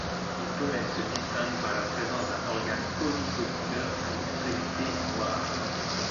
Les femelles se distinguent par la présence d'un organe ovipositeur à l'extrémité noire.